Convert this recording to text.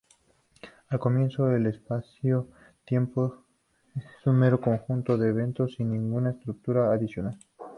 Al comienzo, el espacio-tiempo es un mero conjunto de eventos, sin ninguna estructura adicional.